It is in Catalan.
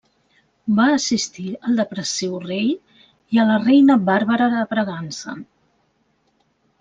Va assistir al depressiu rei i a la reina Bàrbara de Bragança.